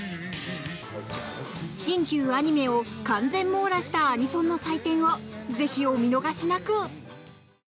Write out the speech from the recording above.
新旧アニメを完全網羅したアニソンの祭典をぜひお見逃しなく！